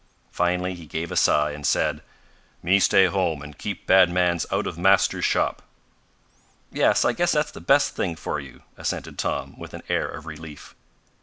Finally, he gave a sigh and said: "Me stay home and keep bad mans out of master's shop." "Yes, I guess that's the best thing for you," assented Tom with an air of relief.